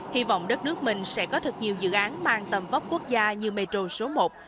hy vọng đất nước mình sẽ có thật nhiều dự án mang tầm vóc quốc gia như metro số một